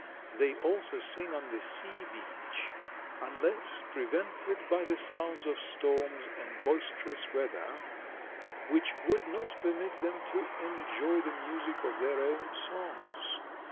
They also sing on the sea beach, unless prevented by the sounds of storms and boisterous weather, which would not permit them to enjoy the music of their own songs.